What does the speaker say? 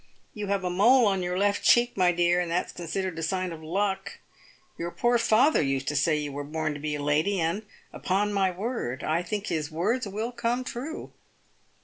You have a mole on your left cheek, my dear, and that's considered a sign of luck. Your poor father used to say you were born to be a lady, and, upon my word, I think his words will come true."